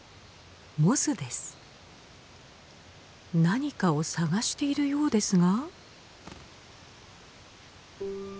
何かを探しているようですが？